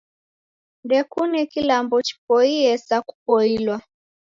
Ndekune kilambo chipoiye sa kupoilwa